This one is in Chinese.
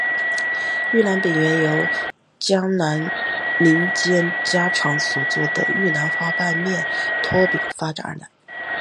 玉兰饼原由江南民间家常所做的玉兰花瓣面拖饼发展而来。